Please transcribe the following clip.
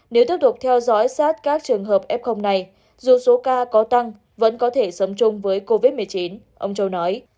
nếu tiếp tục theo dõi sát các trường hợp f này dù số ca có tăng vẫn có thể sống chung với covid một mươi chín ông châu nói